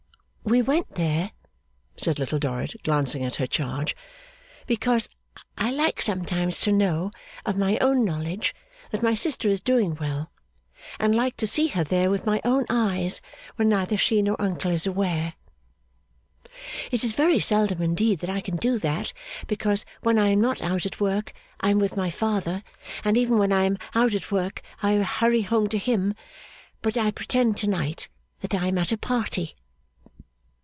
'We went there,' said Little Dorrit, glancing at her charge, 'because I like sometimes to know, of my own knowledge, that my sister is doing well; and like to see her there, with my own eyes, when neither she nor Uncle is aware. It is very seldom indeed that I can do that, because when I am not out at work, I am with my father, and even when I am out at work, I hurry home to him. But I pretend to night that I am at a party.